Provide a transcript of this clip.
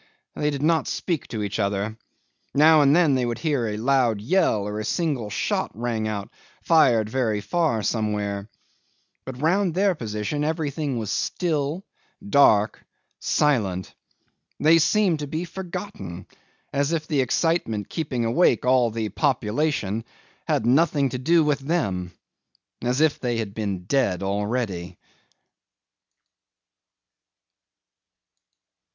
They did not speak to each other. Now and then they would hear a loud yell, or a single shot rang out, fired very far somewhere. But round their position everything was still, dark, silent. They seemed to be forgotten, as if the excitement keeping awake all the population had nothing to do with them, as if they had been dead already.